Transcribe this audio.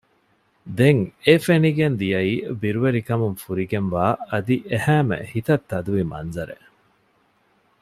ދެން އެ ފެނިގެން ދިޔައީ ބިރުވެރިކަމުން ފުރިގެންވާ އަދި އެހައިމެ ހިތަށް ތަދުވި މަންޒަރެއް